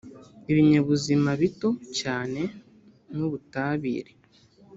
ibinyabuzima bito cyane n’ubutabire